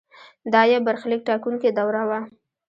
دا یو برخلیک ټاکونکې دوره وه.